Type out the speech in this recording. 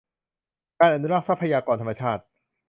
การอนุรักษ์ทรัพยากรธรรมชาติ